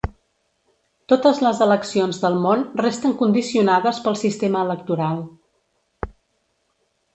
Totes les eleccions del món resten condicionades pel sistema electoral.